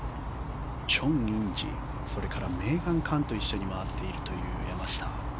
チョン・インジメーガン・カンと一緒に回っているという山下。